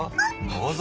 どうぞ。